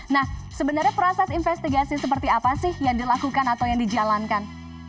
nah sebenarnya proses investigasi seperti apa sih yang dilakukan atau yang dijalankan